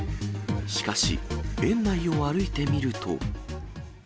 しかし、園内を歩いてみると。